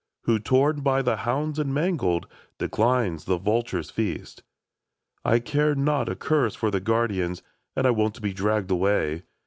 Who, torn by the hounds and mangled. Declines the vulture's feast *' I care not a^curse for the guardians, And I won't be dragged away.